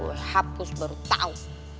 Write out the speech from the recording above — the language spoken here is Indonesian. gue hapus baru tau